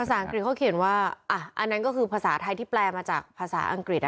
ภาษาอังกฤษเขาเขียนว่าอันนั้นก็คือภาษาไทยที่แปลมาจากภาษาอังกฤษ